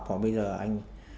còn bây giờ anh